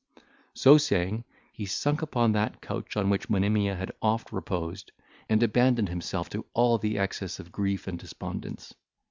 So saying, he sunk upon that couch on which Monimia had oft reposed, and abandoned himself to all the excess of grief and despondence.